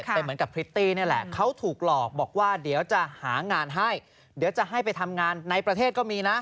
เป็นเหมือนกับพริตตี้นี่แหละเขาถูกหลอกบอกว่าเดี๋ยวจะหางานให้เดี๋ยวจะให้ไปทำงานในประเทศก็มีนะ